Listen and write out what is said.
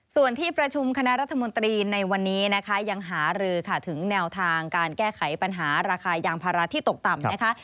ส่วนที่ประชุมคณะรัฐมนตรีในวันนี้นะคะยังหารือค่ะถึงแนวทางการแก้ไขปัญหาราคายางภาระที่ตกต่ำนะคะ